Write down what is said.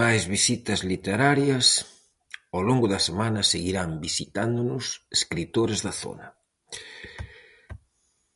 Máis visitas literarias: ao longo da semana seguirán visitándonos escritores da zona.